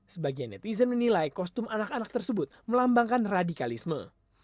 sebagian netizen menilai kostum anak anak tersebut melambangkan radikalisme